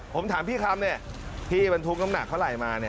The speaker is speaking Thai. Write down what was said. ผมถามพี่คำเนี้ยพี่มันทุกข้ำหนักเท่าไหร่มาเนี้ย